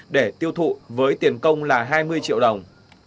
để tiêu thụ với tiền công là hai mươi triệu đồng